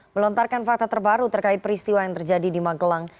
melontarkan fakta terbaru terkait peristiwa yang terjadi di magelang